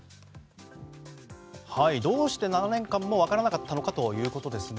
どうして７年間も分からなかったのかということですね。